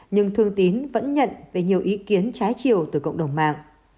nhưng thương tín vẫn nhận về nhiều ý kiến trái chiều từ cộng đồng mạng